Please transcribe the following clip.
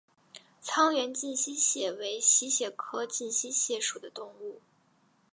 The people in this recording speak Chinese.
沧源近溪蟹为溪蟹科近溪蟹属的动物。